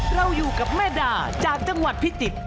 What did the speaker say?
เราอยู่กับแม่ดาจากจังหวัดพิจิตร